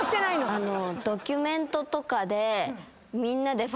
あの。